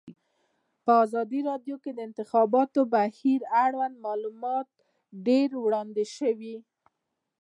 په ازادي راډیو کې د د انتخاباتو بهیر اړوند معلومات ډېر وړاندې شوي.